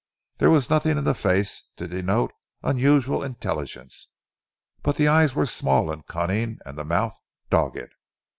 There was nothing in the face to denote unusual intelligence, but the eyes were small and cunning and the mouth dogged.